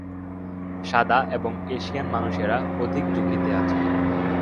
সাদা এবং এশিয়ান মানুষেরা অধিক ঝুঁকিতে আছে।